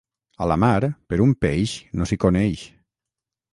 A la mar, per un peix no s'hi coneix.